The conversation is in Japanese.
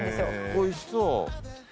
おいしそう。